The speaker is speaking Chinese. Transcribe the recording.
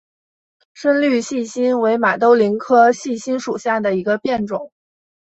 深绿细辛为马兜铃科细辛属下的一个变种。